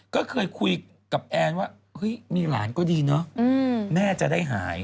ก็เคยคุยกับแอนว่าเฮ้ยมีหลานก็ดีเนอะแม่จะได้หาย